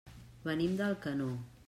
Venim d'Alcanó.